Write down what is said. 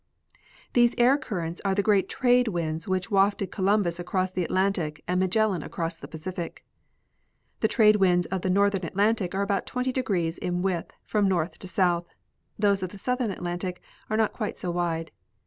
Tliese air currents are the great trade winds which wafted Columbus across the Atlantic and Magellan across the Pacific. The trade winds of the northern Atlantic are about 20° in width from north to south ; those of the southern Atlantic are not quite so wide.